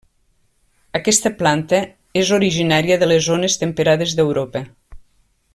Aquesta planta és originària de les zones temperades d'Europa.